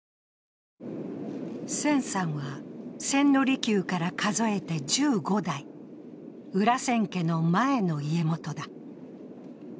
千さんは、千利休から数えて１５代裏千家の前の家元だ。